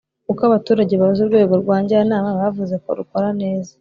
Uko abaturage bazi urwego rwanjyanama bavuzeko rukora neza